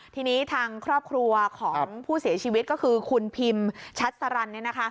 ทีนี้ทางครอบครัวของผู้เสียชีวิตก็คือคุณพิมชัดสรร